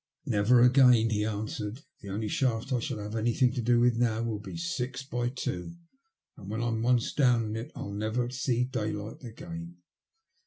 '' Never again," he answered ;'' the only shaft I shall ever have anything to do with now will be six by two, and when I'm once down in it I'll never see daylight again."